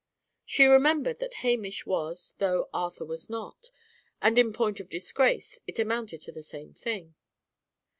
She remembered that Hamish was, though Arthur was not; and in point of disgrace, it amounted to the same thing.